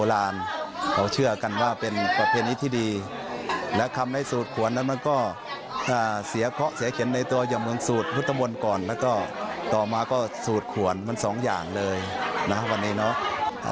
เดี๋ยวก่อนแล้วก็ต่อมาก็สูดหัวนมัน๒อย่างเลยนะครับวันเนี้ยเนาะ